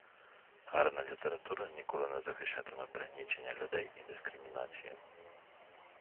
Гарна література ніколи не захищатиме пригнічення людей і дискримінацію.